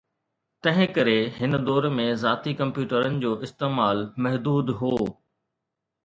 تنهن ڪري، هن دور ۾ ذاتي ڪمپيوٽرن جو استعمال محدود هو